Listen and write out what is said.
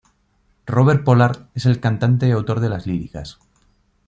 Robert Pollard es el cantante y autor de las líricas.